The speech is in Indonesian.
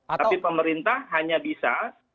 atau pemerintah hanya bisa